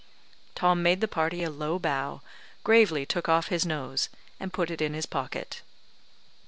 Tom made the party a low bow, gravely took off his nose, and put it in his pocket.